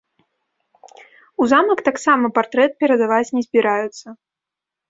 У замак таксама партрэт перадаваць не збіраюцца.